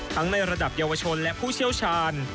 ในระดับเยาวชนและผู้เชี่ยวชาญ